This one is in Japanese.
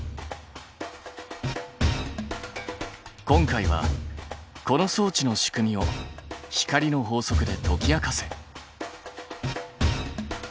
今回はこの装置の仕組みを光の法則で解き明かせ！